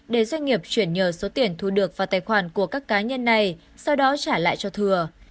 để doanh nghiệp chuyển nhờ số tiền thu được vào tài khoản của các cá nhân này sau đó trả lại cho thừa